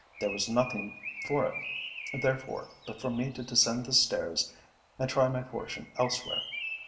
There was nothing for it, therefore, but for me to descend the stairs and try my fortune elsewhere.